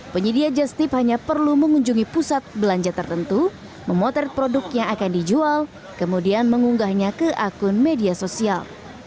penyedia just tip hanya perlu mengunjungi pusat belanja tertentu memotret produk yang akan dijual kemudian mengunggahnya ke akun media sosial